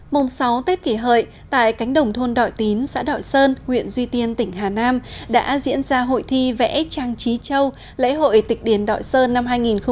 mùng sáu tết kỷ hợi tại cánh đồng thôn đội tín xã đội sơn huyện duy tiên tỉnh hà nam đã diễn ra hội thi vẽ trang trí châu lễ hội tịch điền đội sơn năm hai nghìn một mươi chín